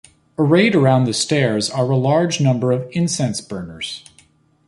Arrayed around the stairs are a large number of incense burners.